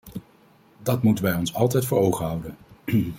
Dat moeten wij ons altijd voor ogen houden.